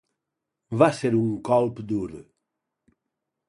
Va ser un colp dur.